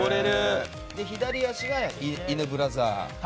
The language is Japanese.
左足がイヌブラザー。